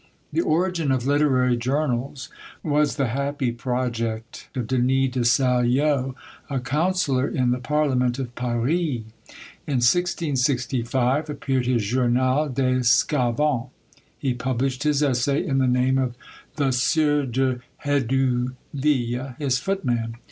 The origin of literary journals was the happy project of DENIS DE SALLO, a counsellor in the parliament of Paris. In 1665 appeared his Journal des Sçavans. He published his essay in the name of the Sieur de Hedouville, his footman!